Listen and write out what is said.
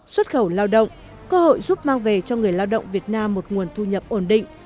xuất khẩu lao động cơ hội giúp mang về cho người lao động việt nam một nguồn thu nhập ổn định